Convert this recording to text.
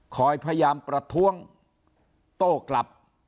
พยายามประท้วงโต้กลับ